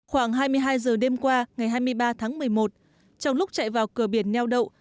khoảng hai mươi hai giờ đêm qua ngày hai mươi ba tháng một mươi một trong lúc chạy vào cửa biển neo đậu